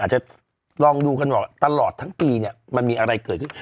จะลองดูกันว่าตลอดทั้งปีเนี่ยมันมีอะไรเกิดขึ้น